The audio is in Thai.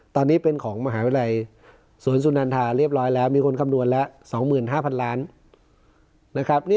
ตอนนี้เป็นของมหาวิทยาลัยสวนสุนันทาเรียบร้อยแล้วมีคนคำนวณแล้ว๒๕๐๐๐ล้านนะครับ